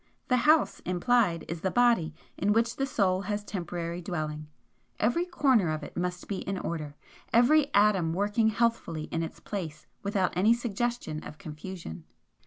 The 'house' implied is the body in which the Soul has temporary dwelling; every corner of it must be 'in order,' every atom working healthfully in its place without any suggestion of confusion.